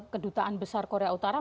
kedutaan besar korea utara